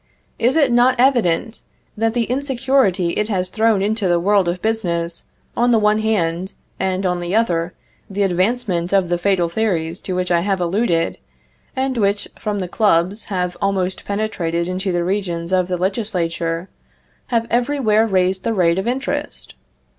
Is it not evident, that the insecurity it has thrown into the world of business, on the one hand; and, on the other, the advancement of the fatal theories to which I have alluded, and which, from the clubs, have almost penetrated into the regions of the Legislature, have everywhere raised the rate of interest?